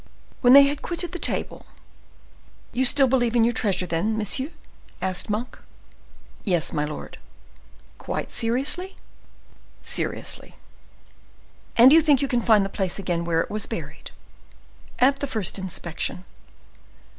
When they had quitted the table, "You still believe in your treasure, then, monsieur?" asked Monk. "Yes, my lord." "Quite seriously?" "Seriously." "And you think you can find the place again where it was buried?" "At the first inspection."